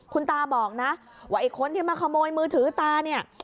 คุณตาบอกนะว่าไอ้คนที่มาขโมยมือถือตาเนี่ย